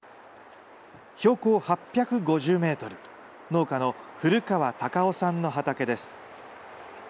標高８５０メートル、農家の古川孝雄さんの畑です。